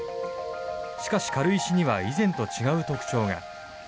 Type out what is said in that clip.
しかし、軽石には以前と違う特徴が。